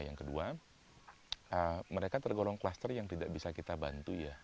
yang kedua mereka tergolong kluster yang tidak bisa kita bantu ya